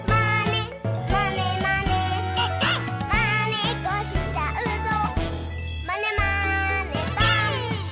「まねっこしちゃうぞまねまねぽん！」